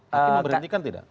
hakim memberhentikan tidak